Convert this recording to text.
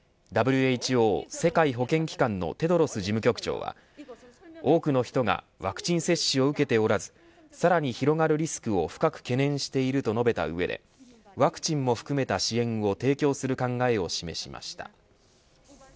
ＷＨＯ世界保健機関のテドロス事務局長は多くの人がワクチン接種を受けておらずさらに広がるリスクを深く懸念していると述べた上でワクチンも含めた支援を提供する考えを示しました。